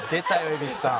蛭子さん。